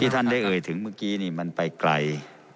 ท่านได้เอ่ยถึงเมื่อกี้นี่มันไปไกล